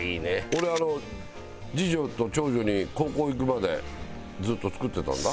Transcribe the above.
俺次女と長女に高校行くまでずっと作ってたんだ。